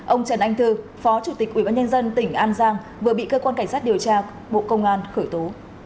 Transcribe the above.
ông trần anh thư phó chủ tịch ubnd tỉnh an giang vừa bị cơ quan cảnh sát điều tra bộ công an khởi tố